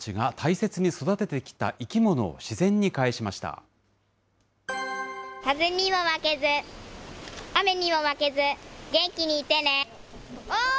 風にも負けず、雨にも負けず、元気にいてね。